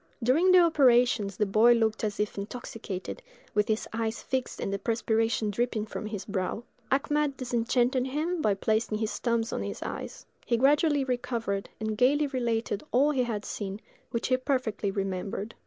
During the operations the boy looked as if intoxicated, with his eyes fixed and the perspiration dripping from his brow. Achmed disenchanted him by placing his thumbs on his eyes. He gradually recovered, and gayly related all he had seen, which he perfectly remembered.